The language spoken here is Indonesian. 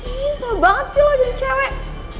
iih sulit banget sih lo jadi cewek